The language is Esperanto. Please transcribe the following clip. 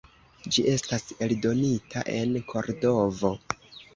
Ĝi estas eldonita en Kordovo.